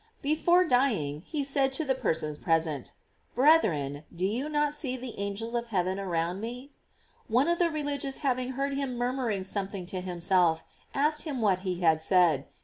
Before dying, he said to the persons present: "Brethren, do you not see the angels of heaven around me?" One of the religious having heard him murmuring some thing to himself, asked him what he had said.